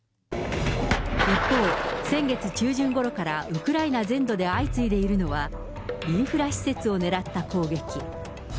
一方、先月中旬ごろからウクライナ全土で相次いでいるのは、インフラ施設を狙った攻撃。